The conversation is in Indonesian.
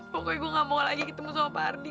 pokoknya gue gak mau lagi ketemu sama pak ardi